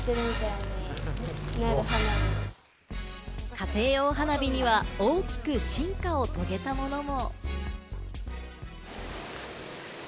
家庭用花火には大きく進化を遂げたものも。